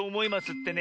ってね